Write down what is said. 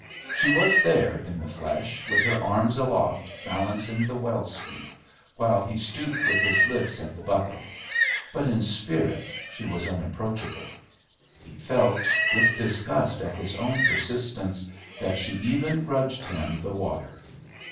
She was there in the flesh, with her arms aloft balancing the well sweep, while he stooped with his lips at the bucket; but in spirit she was unapproachable. He felt, with disgust at his own persistence, that she even grudged him the water.